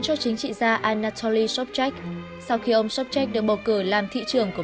ông vấn cho chính trị gia anatoly sobchak sau khi ông sobchak được bầu cử làm thị trưởng của